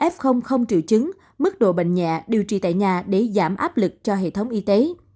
f không triệu chứng mức độ bệnh nhẹ điều trị tại nhà để giảm áp lực cho hệ thống y tế